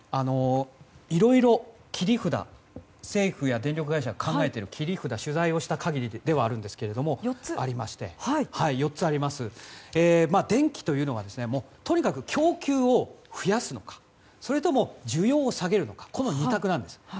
いろいろ、政府や電力会社が考えている切り札が取材をした限りで４つありまして電気というのはとにかく供給を増やすのかそれとも需要を下げるのかこの２択なんです。